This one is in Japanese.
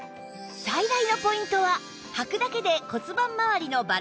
最大のポイントははくだけで骨盤まわりのバランスが整う事